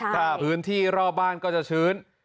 พื้นที่รอบบ้านก็จะชื้น